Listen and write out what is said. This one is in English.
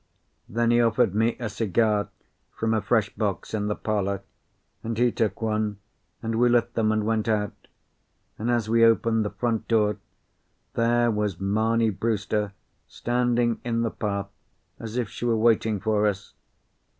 Then he offered me a cigar from a fresh box in the parlour, and he took one, and we lit them, and went out; and as we opened the front door there was Mamie Brewster standing in the path as if she were waiting for us.